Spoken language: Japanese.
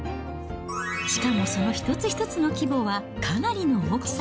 しかもその一つ一つの規模はかなりの大きさ。